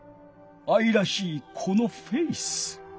あいらしいこのフェース。